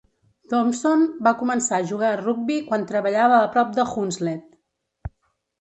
Thompson va començar a jugar a rugbi quan treballava a prop de Hunslet.